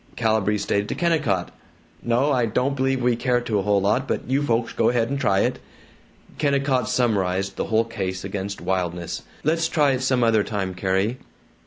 Calibree stated to Kennicott, "No, I don't believe we care to a whole lot, but you folks go ahead and try it." Kennicott summarized the whole case against wildness: "Let's try it some other time, Carrie."